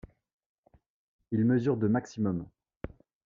Il mesure de maximum.